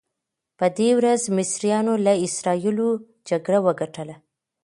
په دې ورځ مصریانو له اسراییلو جګړه وګټله.